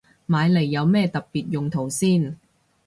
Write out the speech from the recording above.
買嚟有咩特別用途先